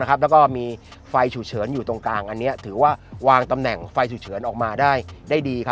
แล้วก็มีไฟฉุกเฉินอยู่ตรงกลางอันนี้ถือว่าวางตำแหน่งไฟฉุกเฉินออกมาได้ดี